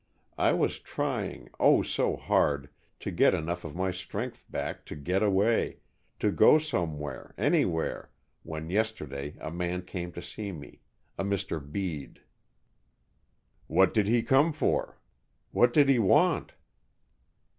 I was trying, oh, so hard, to get enough of my strength back to get away, to go somewhere, anywhere, when yesterday a man came to see me, a Mr. Bede." "What did he come for?" "What did he want?"